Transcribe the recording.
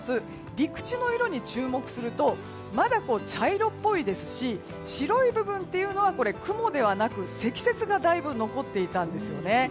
陸地の色に注目するとまだ茶色っぽいですし白い部分というのは雲ではなく積雪がだいぶ残っていたんですよね。